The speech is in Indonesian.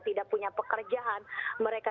tidak punya pekerjaan mereka